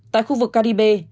tại khu vực caribe